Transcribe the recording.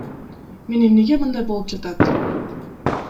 Мен эмнеге мындай болуп жатат?